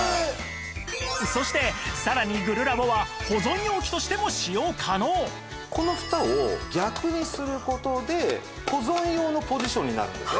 そしてさらにグルラボはこのふたを逆にする事で保存用のポジションになるんですね。